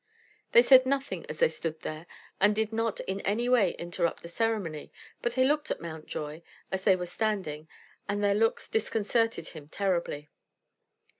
They said nothing as they stood there, and did not in any way interrupt the ceremony; but they looked at Mountjoy as they were standing, and their looks disconcerted him terribly.